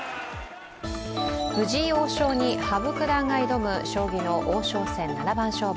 藤井王将に羽生九段が挑む将棋の王将戦七番勝負。